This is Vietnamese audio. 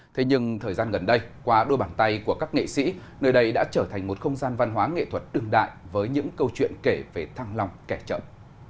thế nhưng thời gian gần đây qua đôi bàn tay của các nghệ sĩ nơi đây đã trở thành một không gian văn hóa nghệ thuật đừng đại với những câu chuyện kể về thăng lòng kẻ trợn